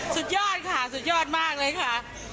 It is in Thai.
สุดยอดค่ะสุดยอดมากเลยค่ะ